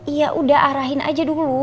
iya udah arahin aja dulu